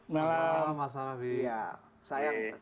selamat malam mas harafi